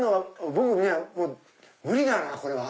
僕無理だなこれは。